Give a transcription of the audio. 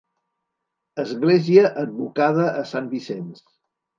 Església advocada a Sant Vicenç.